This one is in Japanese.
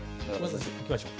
いきましょう。